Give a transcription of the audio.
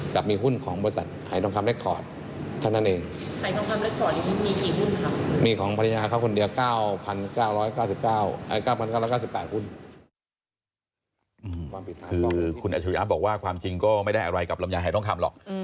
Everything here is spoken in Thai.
คือคุณอัจฉริยะบอกว่าความจริงก็ไม่ได้อะไรกับลำไยหายทองคำหรอก